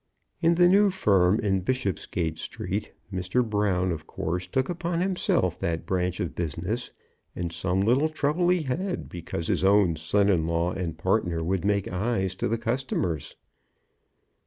In the new firm in Bishopsgate Street, Mr. Brown, of course, took upon himself that branch of business, and some little trouble he had, because his own son in law and partner would make eyes to the customers.